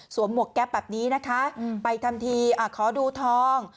หมวกแก๊ปแบบนี้นะคะไปทำทีขอดูทอง